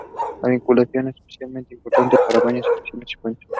La vinculación es especialmente importante para baños, piscinas y fuentes.